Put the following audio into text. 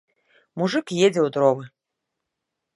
Мужык едзе ў дровы.